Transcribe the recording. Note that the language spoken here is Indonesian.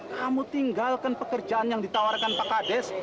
kamu tinggalkan pekerjaan yang ditawarkan pak kades